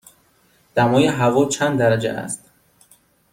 دمای هوا چند درجه است؟